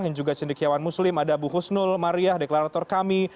yang juga cendikiawan muslim ada bu husnul mariah deklarator kami